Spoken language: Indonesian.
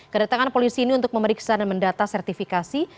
kedatangan polisi ini untuk memeriksa dan mendata sertifikasi